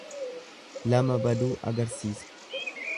Lama baduu agarsiisa.